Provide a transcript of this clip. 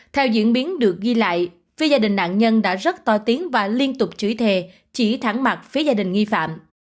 theo diễn biến được ghi lại phía gia đình nạn nhân đã rất to tiếng và liên tục chửi thề chỉ thẳng mặt phía gia đình nghi phạm